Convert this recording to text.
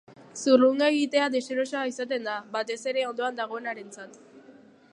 Zurrunga egitea deserosoa izaten da, batez ere ondoan dagoenarentzat.